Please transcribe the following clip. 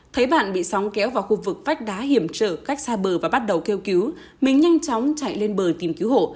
thấy bạn bị sóng kéo vào khu vực vách đá hiểm trở cách xa bờ và bắt đầu kêu cứu mình nhanh chóng chạy lên bờ tìm kiếm cứu hộ